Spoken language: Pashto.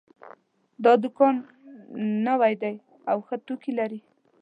دا دوکان نوی ده او ښه توکي لري